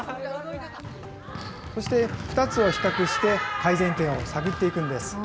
そして、２つを比較して、改善点を探っていくんです。